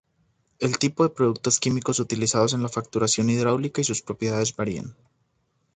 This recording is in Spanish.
El tipo de productos químicos utilizados en la fracturación hidráulica y sus propiedades varían.